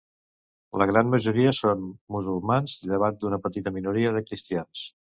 La gran majoria són musulmans llevat d'una petita minoria de cristians.